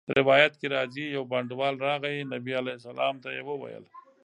روایت کي راځي: يو بانډَوال راغی، نبي عليه السلام ته ئي وويل